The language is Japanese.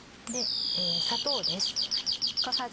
砂糖です。